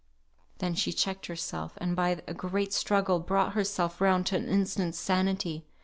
Then she checked herself, and by a great struggle brought herself round to an instant's sanity.